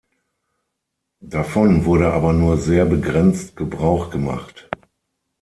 Davon wurde aber nur sehr begrenzt Gebrauch gemacht.